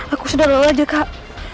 aku sudah lelah jadi kak